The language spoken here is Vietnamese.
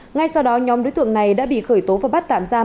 ngay sau đó nhóm đối tượng này đã bị khởi tố và bắt tạm giam